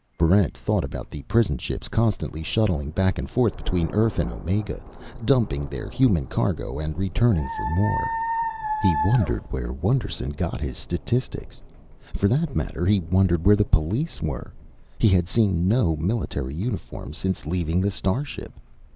Barrent thought about the prison ships constantly shuttling back and forth between Earth and Omega, dumping their human cargo and returning for more. He wondered where Wonderson got his statistics. For that matter, he wondered where the police were. He had seen no military uniform since leaving the starship.